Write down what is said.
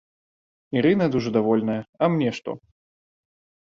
Ірына дужа давольная, а мне што!